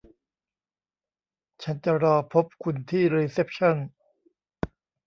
ฉันจะรอพบคุณที่รีเซ็ปชั่น